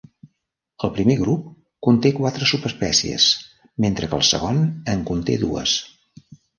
El primer grup conté quatre subespècies, mentre que el segon en conté dues.